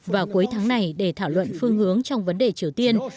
vào cuối tháng này để thảo luận phương hướng trong vấn đề triều tiên